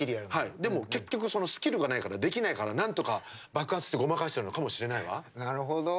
でも結局、そのスキルがないからできないから、なんとか爆発してごまかしてるのかもしれないわ。